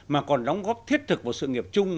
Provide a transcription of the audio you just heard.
mà còn đóng góp thiết thực vào sự nghiệp chung